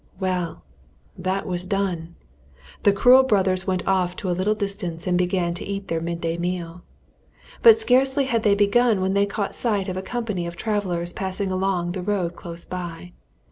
Well that was done! The cruel brothers went off to a little distance and began to eat their midday meal. But scarcely had they begun when they caught sight of a company of travellers passing along the road close by.